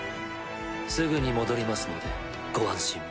すぐに戻りますのでご安心を。